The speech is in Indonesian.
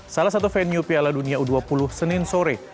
salah satu venue piala dunia u dua puluh senin sore